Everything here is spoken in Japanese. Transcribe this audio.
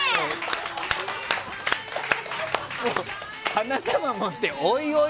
花束を持っておいおい